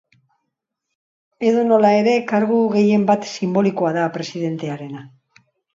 Edonola ere, kargu gehienbat sinbolikoa da presidentearena.